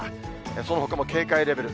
そのほかも警戒レベル。